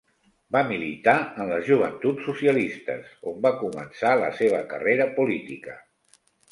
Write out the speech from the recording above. Va militar en les Joventuts Socialistes, on va començar la seva carrera política.